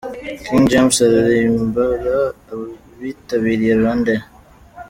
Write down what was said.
King James aririmbira abitabiriye Rwanda Day.